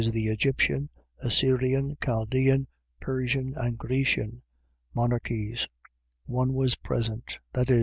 the Egyptian, Assyrian, Chaldean, Persian, and Grecian monarchies: one was present, viz.